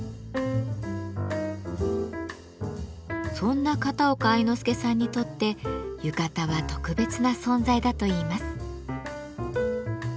そんな片岡愛之助さんにとって浴衣は特別な存在だといいます。